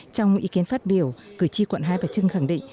trong ý kiến phát biểu cử tri quận hai bà trưng khẳng định